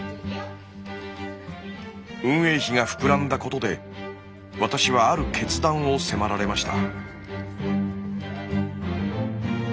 運営費が膨らんだことで私はある決断を迫られました。